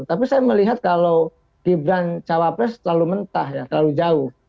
tapi saya melihat kalau gibran cawapres terlalu mentah ya terlalu jauh